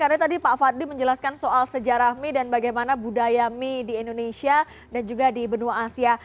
karena tadi pak fadli menjelaskan soal sejarah mie dan bagaimana budaya mie di indonesia dan juga di benua asia